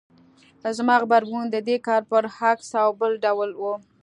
زما غبرګون د دې کار برعکس او بل ډول و.